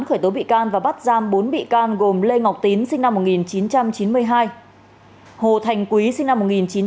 khởi tố bị can và bắt giam bốn bị can gồm lê ngọc tín sinh năm một nghìn chín trăm chín mươi hai hồ thành quý sinh năm một nghìn chín trăm chín mươi